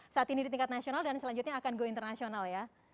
saat ini di tingkat nasional dan selanjutnya akan go internasional ya